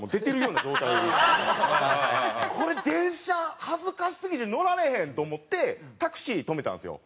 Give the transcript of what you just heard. これ電車恥ずかしすぎて乗られへんと思ってタクシー止めたんですよ。